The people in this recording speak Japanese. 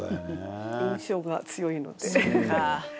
印象が強いのでフフフ。